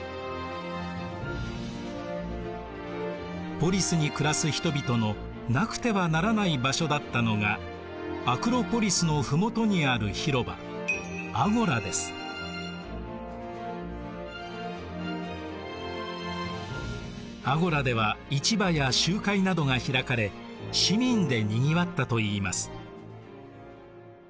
ポリスに暮らす人々のなくてはならない場所だったのがアクロポリスの麓にある広場アゴラでは市場や集会などが開かれ市民でにぎわったといいます。